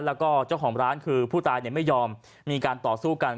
แล้วก็เจ้าของร้านคือผู้ตายไม่ยอมมีการต่อสู้กัน